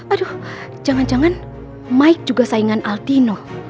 aduh jangan jangan mike juga saingan altino